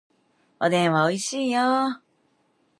おでんはおいしいよ